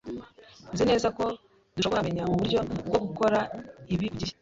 Nzi neza ko dushobora kumenya uburyo bwo gukora ibi ku gihe.